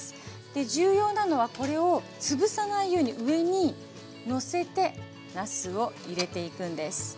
重要なのはこれを潰さないように上にのせてなすを入れていくんです。